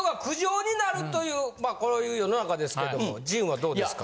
まあこういう世の中ですけども陣はどうですか？